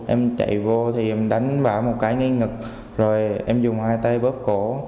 em chạy vô thì em đánh bà một cái nghi ngực rồi em dùng hai tay bóp cổ